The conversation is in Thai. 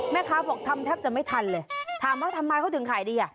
แม่ค้าบอกทำแทบจะไม่ทันเลยถามว่าทำไมเขาถึงขายดีอ่ะ